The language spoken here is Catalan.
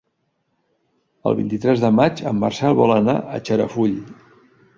El vint-i-tres de maig en Marcel vol anar a Xarafull.